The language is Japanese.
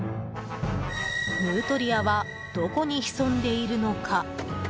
ヌートリアはどこに潜んでいるのか？